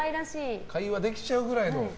会話できちゃうぐらいの。